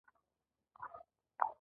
خبرې ولې کمې کړو؟